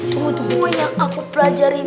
tunggu tunggu yang aku pelajarin